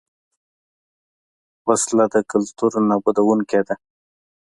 وسله د کلتور نابودوونکې ده